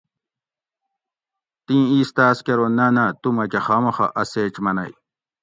تیں ایس تاۤس کہ ارو نہ نہ تو مکہ خامخہ اۤ سیچ منئ